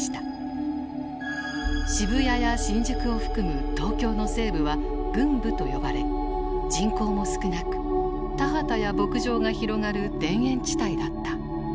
渋谷や新宿を含む東京の西部は郡部と呼ばれ人口も少なく田畑や牧場が広がる田園地帯だった。